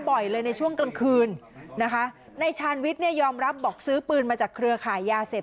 บ่อยเลยในช่วงกลางคืนนะคะในชาญวิทย์เนี่ยยอมรับบอกซื้อปืนมาจากเครือขายยาเสพ